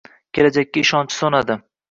Kelajakka ishonchi soʻnadi